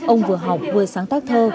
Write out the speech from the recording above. ông vừa học vừa sáng tác thơ